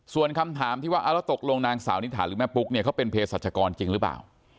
ส่วนคำถามที่ว่าแล้วตกลงนางสาวนิถาหรือแม่ปุ๊กเนี่ยเขาเป็นเพศรัชกรจริงหรือเปล่า